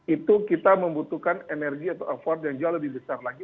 itu kita membutuhkan energi atau effort yang jauh lebih besar lagi